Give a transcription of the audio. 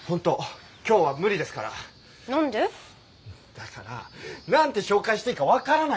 だから何て紹介していいか分からないから。